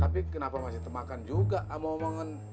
tapi kenapa masih termakan juga sama omongan